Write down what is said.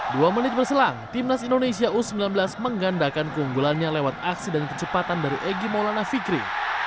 dua menit berselang timnas indonesia u sembilan belas menggandakan keunggulannya lewat aksi dan kecepatan dari egy maulana fikri